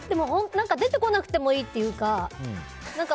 出てこなくてもいいっていうか。